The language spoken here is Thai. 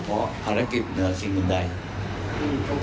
เพราะภารกิจเหนือสิ่งอื่นใดอืม